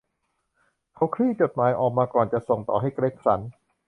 เขาคลี่จดหมายออกมาก่อนจะส่งต่อให้เกร็กสัน